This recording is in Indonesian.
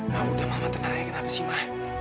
ma udah mama tenang ya kenapa sih ma